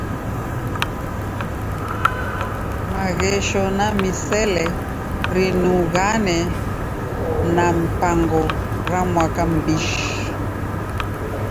Maghesho na misele rinighane na mipango ra mwaka m'mbishi.